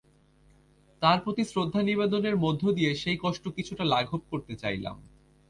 তাঁর প্রতি শ্রদ্ধা নিবেদনের মধ্য দিয়ে সেই কষ্ট কিছুটা লাঘব করতে চাইলাম।